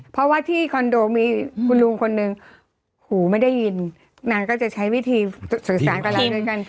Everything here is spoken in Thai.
เพราะว่าที่คอนโดมีคุณลุงคนหนึ่งหูไม่ได้ยินนางก็จะใช้วิธีสื่อสารกับเราด้วยกัน